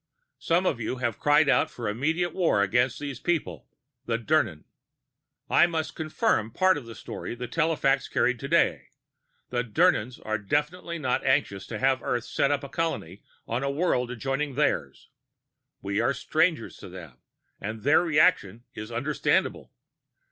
Some of you have cried out for immediate war against these people, the Dirnans. "I must confirm part of the story the telefax carried today: the Dirnans are definitely not anxious to have Earth set up a colony on a world adjoining theirs. We are strangers to them, and their reaction is understandable.